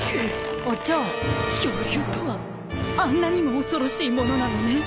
恐竜とはあんなにも恐ろしいものなのね。